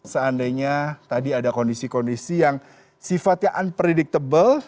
seandainya tadi ada kondisi kondisi yang sifatnya unpredictable